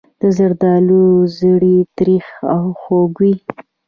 د زردالو زړې تریخ او خوږ وي.